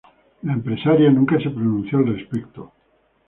La empresaria nunca se pronunció al respecto.